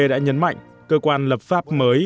đã nhấn mạnh cơ quan lập pháp mới